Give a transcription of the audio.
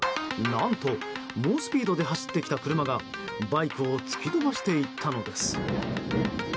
何と、猛スピードで走ってきた車がバイクを突き飛ばしていったのです。